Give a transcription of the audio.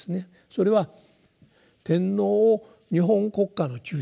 それは天皇を日本国家の中心にすると。